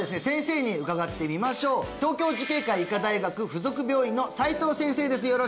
先生に伺ってみましょう東京慈恵会医科大学附属病院の斎藤先生です